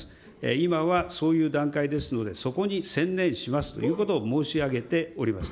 今はそういう段階ですので、そこに専念しますということを申し上げております。